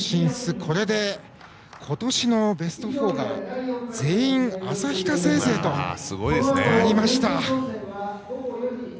これで今年のベスト４が全員旭化成勢となりました。